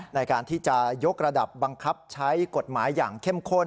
ในการที่จะยกระดับบังคับใช้กฎหมายอย่างเข้มข้น